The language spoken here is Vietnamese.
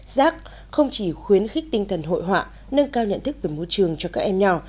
giác không chỉ khuyến khích tinh thần hội họa nâng cao nhận thức về môi trường cho các em nhỏ